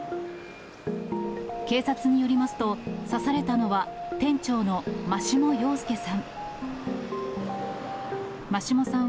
警察によりますと、刺されたのは店長の眞下陽介さん。